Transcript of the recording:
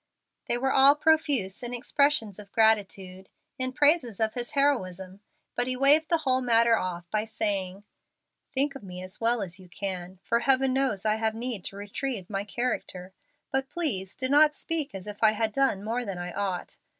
They were all profuse in expressions of gratitude, in praises of his heroism, but he waived the whole matter off by saying, "Think of me as well as you can, for Heaven knows I have need to retrieve my character. But please do not speak as if I had done more than I ought.